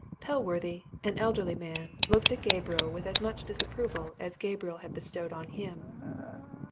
Pellworthy, an elderly man, looked at Gabriel with as much disapproval as Gabriel had bestowed on him.